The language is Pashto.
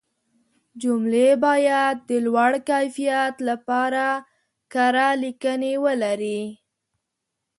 جملې باید د لوړ کیفیت لپاره کره لیکنې ولري.